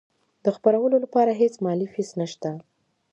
د خپرولو لپاره هیڅ مالي فیس نشته.